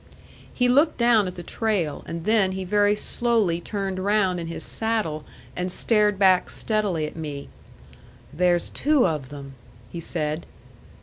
He looked down at the trail, and then he very slowly turned round in his saddle and stared back steadily at me. "There's two of them," he said.